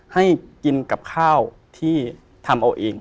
ให้กินกับข้าวที่ทำเอาเอง